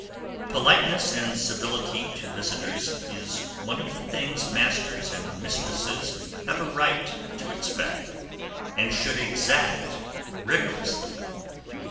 Politeness and civility to visitors is one of the things masters and mistresses have a right to expect, and should exact rigorously.